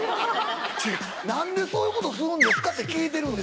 「何でそういうことするんですか？」と聞いてる。